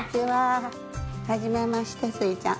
はじめましてスイちゃん。